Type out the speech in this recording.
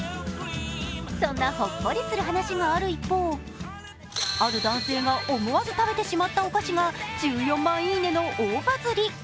そんなほっこりする話がある一方、ある男性が思わず食べてしまったお菓子が１４万「いいね」の大バズり。